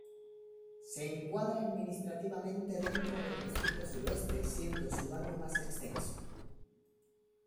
Se encuadra administrativamente dentro del distrito Suroeste, siendo su barrio más extenso.